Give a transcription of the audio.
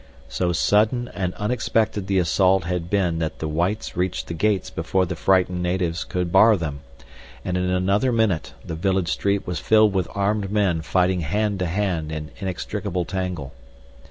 So sudden and unexpected the assault had been that the whites reached the gates before the frightened natives could bar them, and in another minute the village street was filled with armed men fighting hand to hand in an inextricable tangle.